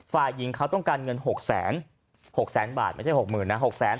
ฝ่ายหญิงเขาต้องการเงินหกแสนหกแสนบาทไม่ใช่หกหมื่นนะหกแสน